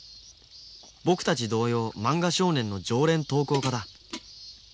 僕たち同様「漫画少年」の常連投稿家だ。